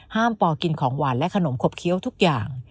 ปอกินของหวานและขนมขบเคี้ยวทุกอย่าง